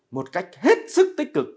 một cách hết sức tích cực